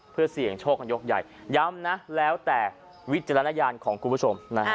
เพื่อเสี่ยงโชคกันยกใหญ่ย้ำนะแล้วแต่วิจารณญาณของคุณผู้ชมนะฮะ